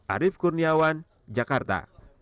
arief kurniawan jakarta